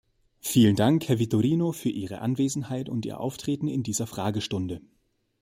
Vielen Dank, Herr Vitorino, für Ihre Anwesenheit und Ihr Auftreten in dieser Fragestunde.